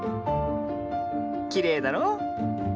きれいだろう。